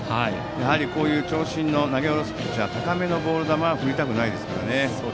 やはりこういう長身の投げ下ろすピッチャーの高めのボール球は振りたくないですからね。